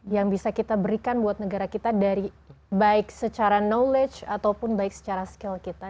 yang bisa kita berikan buat negara kita dari baik secara knowledge ataupun baik secara skill kita